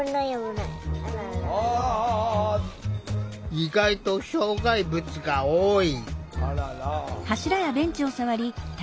意外と障害物が多い。